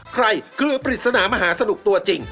เครือปริศนามหาสนุกตัวจริง